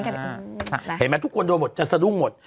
เห็นไหมทุกคนโดนหมดจะสะดุ้งหมด